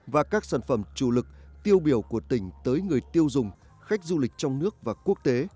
và các sản phẩm chủ lực tiêu biểu của tỉnh tới người tiêu dùng khách du lịch trong nước và quốc tế